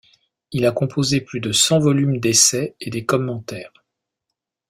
Il a composé plus de cent volumes d'essais et des commentaires.